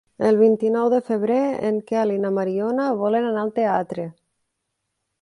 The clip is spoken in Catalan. El vint-i-nou de febrer en Quel i na Mariona volen anar al teatre.